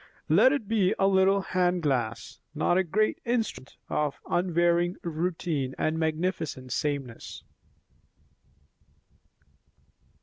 Let it be a little hand glass, not a great instrument of unvarying routine and magnificent sameness."